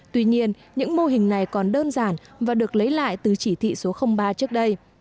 tuy nhiên những mô hình này còn đơn giản và được lấy lại từ chỉ thị số ba trước đây